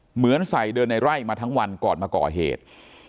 เหมือนใส่เดินในไร่มาทั้งวันก่อนมาก่อเหตุ